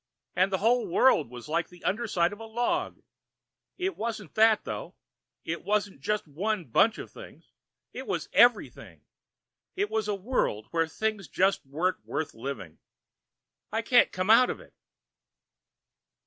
And the whole world was like the underside of a log. It wasn't that, though. It wasn't just one bunch of things. It was everything. It was a world where things just weren't worth living. I can't come out of it...."